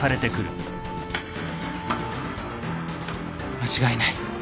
間違いない。